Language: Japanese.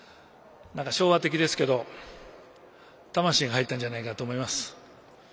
昭和的ですけども魂が入ったんじゃないかと思います。